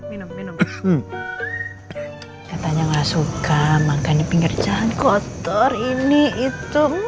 minum minum katanya enggak suka makan di pinggir jalan kotor ini itu